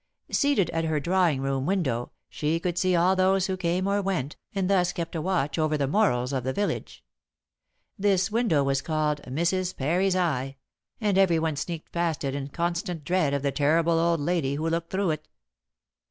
Seated at her drawing room window, she could see all those who came or went, and thus kept a watch over the morals of the village. This window was called "Mrs. Parry's eye," and everyone sneaked past it in constant dread of the terrible old lady who looked through it.